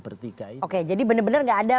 bertiga itu oke jadi bener bener gak ada